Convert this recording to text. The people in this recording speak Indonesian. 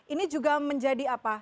ini juga menjadi apa